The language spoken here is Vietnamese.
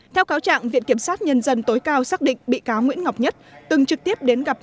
theo cáo trạng viện kiểm sát nhân dân tối cao xác định bị cáo nguyễn ngọc nhất từng trực tiếp đến gặp